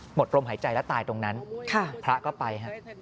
หมดลมหายใจและตายตรงนั้นพระก็ไปฮะ